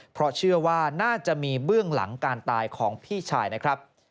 เพราะเชื่อว่าน่าจะมีเบื้องหลังการตายของพี่ชายนะครับ